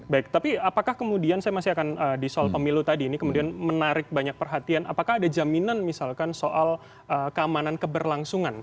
baik tapi apakah kemudian saya masih akan di soal pemilu tadi ini kemudian menarik banyak perhatian apakah ada jaminan misalkan soal keamanan keberlangsungan